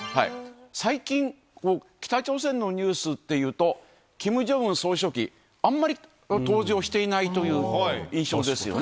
最近、北朝鮮のニュースっていうと、キム・ジョンウン総書記、あんまり登場していないという印象ですよね。